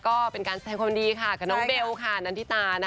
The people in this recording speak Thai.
ก็เป็นการแสดงความดีค่ะกับน้องเบลค่ะนันทิตานะคะ